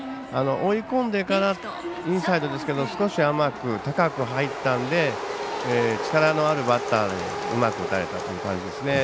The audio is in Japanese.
追い込んでからインサイドですけれども高く入ったので力のあるバッターにうまく打たれたという感じですね。